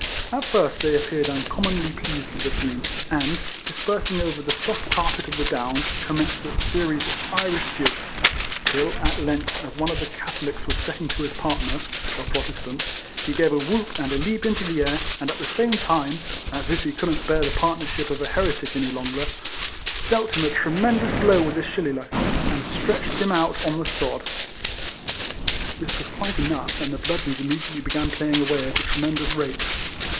At first they appeared uncommonly pleased with the scene, and, dispersing over the soft carpet of the Downs, commenced a series of Irish jigs, till at length as one of the Catholics was setting to his partner (a Pro 14 • RECOLLECTIONS OF testant), he gave a whoop and a leap into the air, and at the same time (as if he couldn't bear the partnership of a heretic any longer), dealt him a tremendous blow with his shillelagh, and stretched him upon the sod. This was quite enough, and the bludgeons immediately began playing away at a tremendous rate.